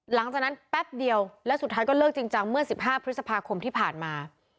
แป๊บเดียวและสุดท้ายก็เลิกจริงจังเมื่อ๑๕พฤษภาคมที่ผ่านมา